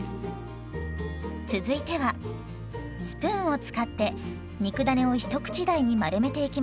続いてはスプーンを使って肉だねを一口大に丸めていきましょう。